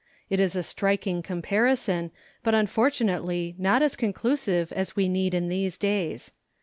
It is a striking comparison, but unfortunately not as con clusive as we need in these days.